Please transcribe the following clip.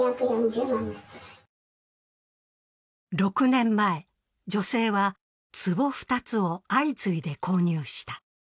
６年前、女性はつぼ２つを相次いで購入した。